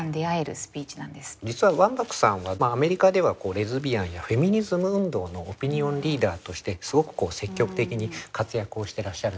実はワンバックさんはアメリカではレズビアンやフェミニズム運動のオピニオンリーダーとしてすごく積極的に活躍をしてらっしゃるんですね。